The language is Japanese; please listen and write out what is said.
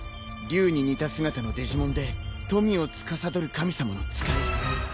竜に似た姿のデジモンで富をつかさどる神様の使い。